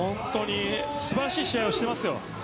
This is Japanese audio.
素晴らしい試合をしていますよ。